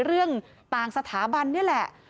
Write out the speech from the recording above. เรื่องต่างสถาบันนี่แหละ